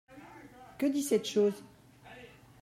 Que dit cette chose ?